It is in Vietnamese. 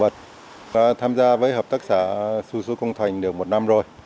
tham gia với hợp tác xã xu xu công thành được một năm rồi